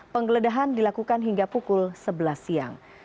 penggeledahan dilakukan hingga pukul sebelas siang